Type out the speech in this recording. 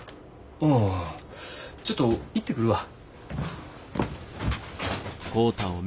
ああちょっと行ってくるわ。